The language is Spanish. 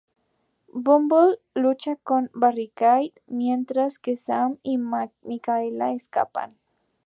Bumblebee lucha con Barricade, mientras que Sam y Mikaela escapan.